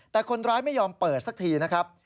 แต่คนร้ายไม่ยอมเปิดสักทีนะครับ